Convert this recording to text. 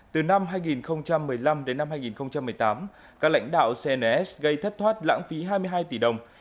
từ năm hai nghìn một mươi năm đến năm hai nghìn một mươi tám các lãnh đạo cns gây thất thoát lãng phí hai mươi hai tỷ đồng